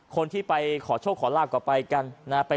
คนที่ไปขอโชคขอลาบก็ไปกันนะ